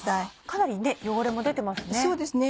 かなり汚れも出てますね。